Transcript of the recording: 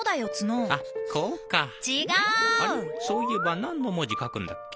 そういえば何の文字書くんだっけ？